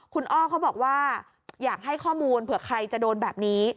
คุณอ้อเขาบอกว่าอยากให้ข้อมูลเผื่อใครจะโดนแบบนี้